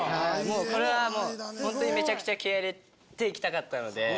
これはもうほんとにめちゃくちゃ気合い入れて行きたかったので。